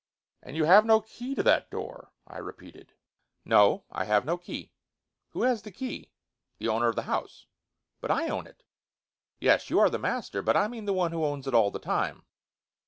"And you have no key to that door?" I repeated. "No. I have no key." "Who has the key?" "The owner of the house." "But I own it." "Yes, you are the master; but I mean the one who owns it all the time."